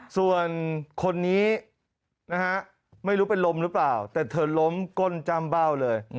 ส่วนคนนี้นะฮะไม่รู้เป็นลมหรือเปล่าแต่เธอล้มก้นจ้ำเบ้าเลย